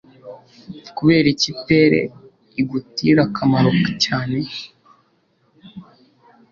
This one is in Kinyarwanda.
kubera iki pere igutira akamaro cyane